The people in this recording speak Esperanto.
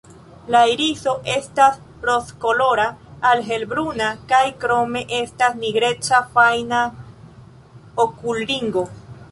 La iriso estas rozkolora al helbruna kaj krome estas nigreca fajna okulringo.